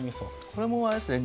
これもあれですね